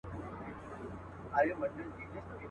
ما یې پر ګودر ټوټې لیدلي د بنګړیو.